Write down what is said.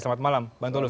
selamat malam bang tulus